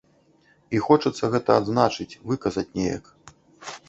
І хочацца гэта адзначыць, выказаць неяк.